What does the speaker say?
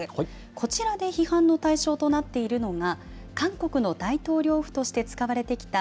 こちらで批判の対象となっているのが、韓国の大統領府として使われてきた